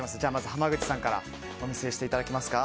濱口さんからお見せいただけますか。